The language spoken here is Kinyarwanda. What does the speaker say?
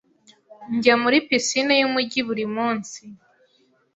Njya muri pisine yumujyi buri munsi.